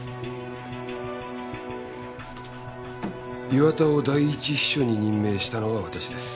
岩田を第一秘書に任命したのは私です。